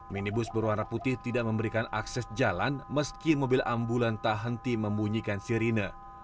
minibus berwarna putih tidak memberikan akses jalan meski mobil ambulan tak henti membunyikan sirine